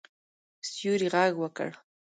سیوري غږ وکړ.